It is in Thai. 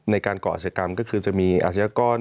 ในการเกาะอาชีกรรมก็คือจะมีอาชีกร